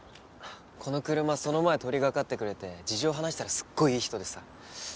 この車その前通りがかってくれて事情を話したらすっごいいい人でさ。